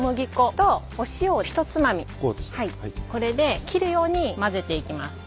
これで切るように混ぜていきます。